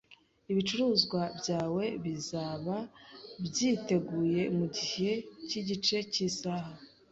Ibicuruzwa byawe bizaba byiteguye mugihe cyigice cyisaha.